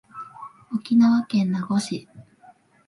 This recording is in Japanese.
沖縄県名護市